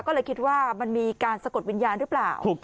ก็เลยคิดว่ามันมีการสะกดวิญญาณหรือเปล่า